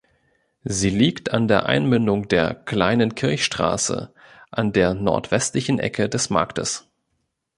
Sie liegt an der Einmündung der "Kleinen Kirchstraße" an der nordwestlichen Ecke des Marktes.